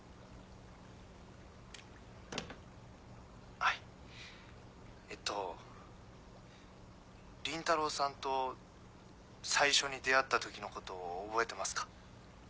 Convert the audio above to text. はいえっと倫太郎さんと最初に出会った時のこと覚えてますか？